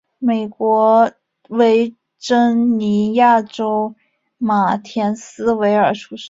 美国维珍尼亚州马田斯维尔出生。